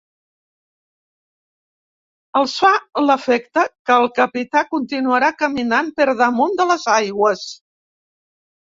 Els fa l'efecte que el capità continuarà caminant per damunt de les aigües.